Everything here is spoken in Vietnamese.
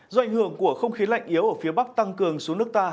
do ảnh hưởng của không khí lạnh yếu ở phía bắc tăng cường xuống nước ta